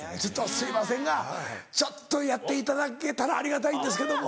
すいませんがちょっとやっていただけたらありがたいんですけども。